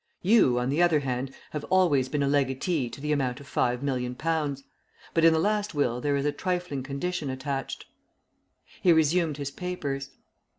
You, on the other hand, have always been a legatee to the amount of five million pounds; but in the last will there is a trifling condition attached." He resumed his papers.